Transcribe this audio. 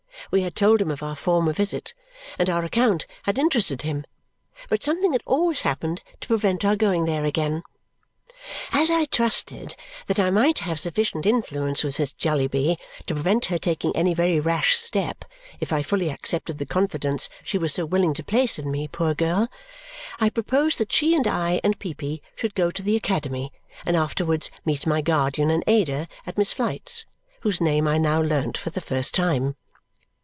We had told him of our former visit, and our account had interested him; but something had always happened to prevent our going there again. As I trusted that I might have sufficient influence with Miss Jellyby to prevent her taking any very rash step if I fully accepted the confidence she was so willing to place in me, poor girl, I proposed that she and I and Peepy should go to the academy and afterwards meet my guardian and Ada at Miss Flite's, whose name I now learnt for the first time.